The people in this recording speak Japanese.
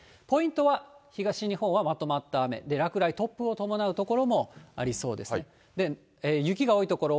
ポイントは、東日本はまとまった雨、落雷、突風を伴う所もありそうですね。